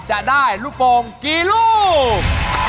จะได้นุ่นโปรงกี่ลูก